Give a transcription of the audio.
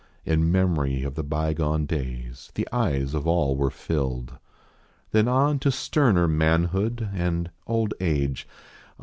In memory of the bygone days, The eyes of all were filled. Then on to sterner manhood and Old age.